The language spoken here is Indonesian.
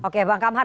oke bang amhar